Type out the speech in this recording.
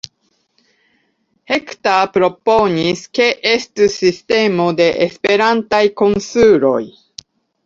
Hector proponis, ke estu sistemo de Esperantaj konsuloj.